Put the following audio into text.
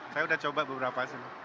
saya udah coba beberapa sih